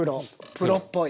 プロっぽい！